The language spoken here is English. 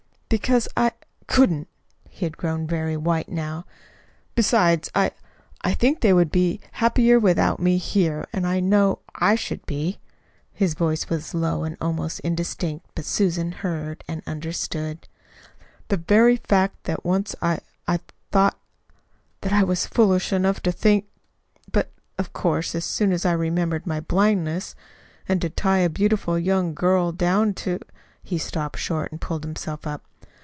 "Because I couldn't." He had grown very white now. "Besides, I I think they would be happier without me here; and I know I should be." His voice was low and almost indistinct, but Susan heard and understood. "The very fact that once I I thought that I was foolish enough to think But, of course, as soon as I remembered my blindness And to tie a beautiful young girl down to " He stopped short and pulled himself up.